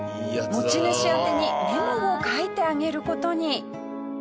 持ち主宛てにメモを書いてあげる事に。